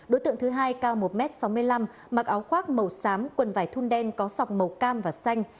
đối tượng thứ hai cao một m sáu mươi năm mặc áo khoác màu xám quần vải thun đen có sọc màu cam và xanh